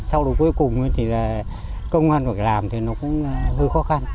sau đó cuối cùng thì công an phải làm thì nó cũng hơi khó khăn